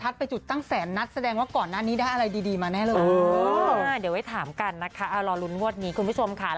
เดี๋ยวไว้ถามกันนะคะคุณผู้ชมค่ะ